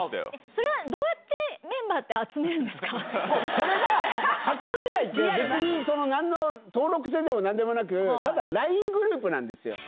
それはどうやってメンバーっこれが八王子会って別に、なんの登録制でもなんでもなく、ただＬＩＮＥグループなんですよ。